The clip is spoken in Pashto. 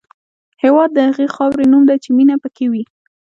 هېواد د هغې خاورې نوم دی چې مینه پکې وي.